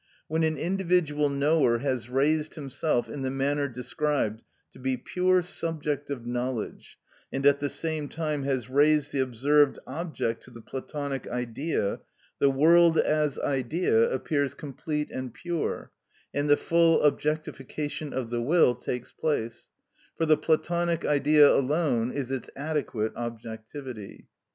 When an individual knower has raised himself in the manner described to be pure subject of knowledge, and at the same time has raised the observed object to the Platonic Idea, the world as idea appears complete and pure, and the full objectification of the will takes place, for the Platonic Idea alone is its adequate objectivity.